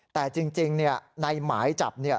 แต่จริงในหมายจับ